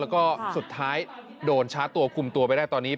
แล้วก็สุดท้ายโดนชาร์จตัวคุมตัวไปได้ตอนนี้